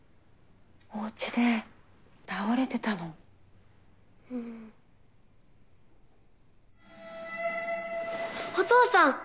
おうちで倒れてたのんっお父さん！